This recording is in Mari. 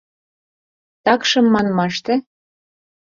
— Такшым, манмаште...